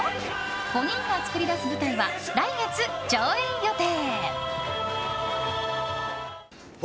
５人が作り出す舞台は来月上演予定。